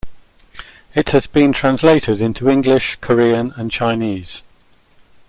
It has been translated into English, Korean, and Chinese.